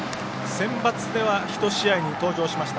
センバツでは１試合に出場しました。